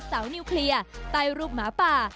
นิวเคลียร์ใต้รูปหมาป่า